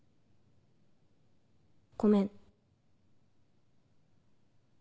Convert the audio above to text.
ごめん。